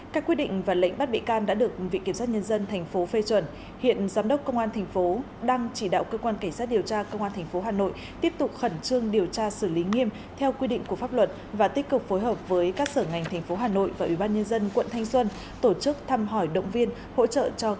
các quyết định và lệnh bắt bị can đã được vị kiểm soát nhân dân thành phố phê chuẩn hiện giám đốc công an thành phố đang chỉ đạo cơ quan cảnh sát điều tra công an thành phố hà nội tiếp tục khẩn trương điều tra xử lý nghiêm theo quy định của pháp luật và tích cực phối hợp với các sở ngành thành phố hà nội và ủy ban nhân dân quận thanh xuân tổ chức thăm hỏi động viên hỗ trợ cho các gia đình nạn nhân